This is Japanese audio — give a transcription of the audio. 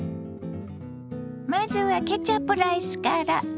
まずはケチャップライスから。